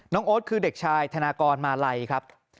โอ๊ตคือเด็กชายธนากรมาลัยครับ